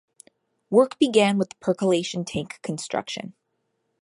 Work began with the percolation tank construction.